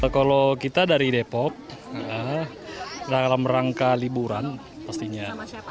kalau kita dari depok dalam rangka liburan pastinya